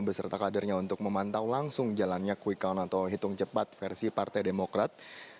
beserta kadernya untuk memantau langsung jalannya quick count atau hitung cepat versi partai demokrat